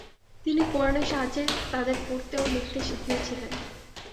তিনি কুরআনের সাহায্যে তাদের পড়তে ও লিখতে শিখিয়েছিলেন।